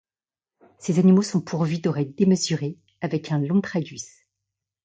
Ces animaux sont pourvus d'oreilles démesurées, avec un long tragus.